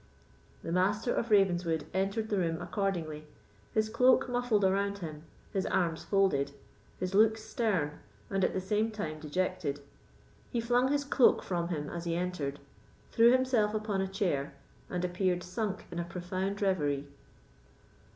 The Master of Ravenswood entered the room accordingly, his cloak muffled around him, his arms folded, his looks stern, and at the same time dejected. He flung his cloak from him as he entered, threw himself upon a chair, and appeared sunk in a profound reverie.